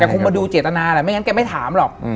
แต่คงมาดูเจตนาแหละไม่งั้นแกไม่ถามหรอก